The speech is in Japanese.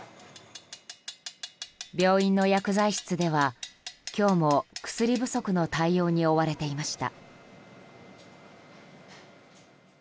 病院の薬剤室では今日も薬不足の対応に追われていました。